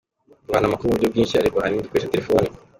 Duhana amakuru mu buryo bwinshi ariko ahanini dukoresha telefoni.